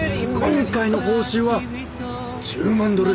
今回の報酬は１０万ドルです。